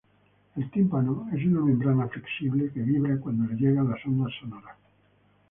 El tímpano es una membrana flexible que vibra cuando le llegan las ondas sonoras.